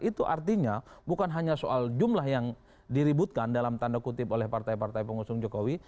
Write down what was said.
itu artinya bukan hanya soal jumlah yang diributkan dalam tanda kutip oleh partai partai pengusung jokowi